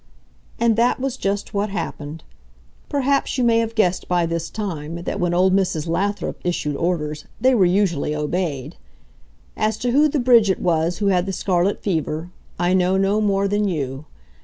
And that was just what happened. Perhaps you may have guessed by this time that when old Mrs. Lathrop issued orders they were usually obeyed. As to who the Bridget was who had the scarlet fever, I know no more than you.